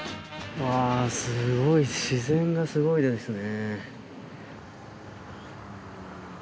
すごい自然がすごいですね。